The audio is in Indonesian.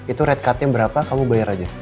itu red cardnya berapa kamu bayar aja